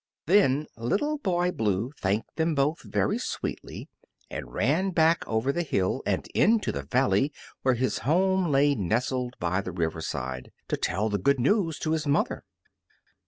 Then Little Boy Blue thanked them both very sweetly and ran back over the hill and into the valley where his home lay nestled by the river side, to tell the good news to his mother.